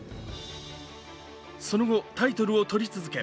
その後、タイトルをとり続け